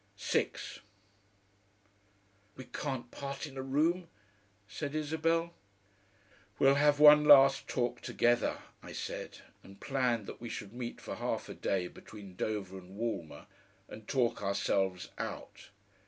6 "We can't part in a room," said Isabel. "We'll have one last talk together," I said, and planned that we should meet for a half a day between Dover and Walmer and talk ourselves out.